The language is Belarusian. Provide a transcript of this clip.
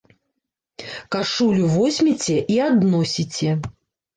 Кашулю возьмеце і адносіце.